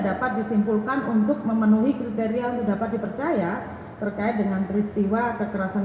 dapat disimpulkan untuk memenuhi kriteria yang dapat dipercaya terkait dengan peristiwa kekerasan